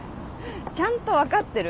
ちゃんと分かってる？